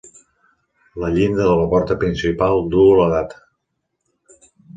La llinda de la porta principal duu la data.